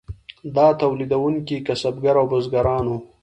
دا تولیدونکي کسبګر او بزګران وو.